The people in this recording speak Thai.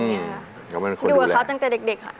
อยู่กับเขาตั้งแต่เด็กค่ะ